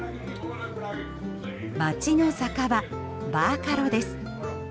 街の酒場バーカロです。